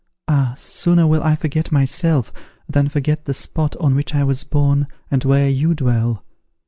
Ah! sooner will I forget myself, than forget the spot on which I was born and where you dwell!